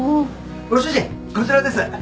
ご主人こちらです。